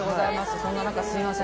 そんな中すみません